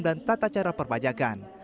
dan tata cara perpajakan